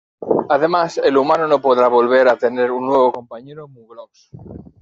Además, el humano no podrá volver a tener un nuevo compañero muglox.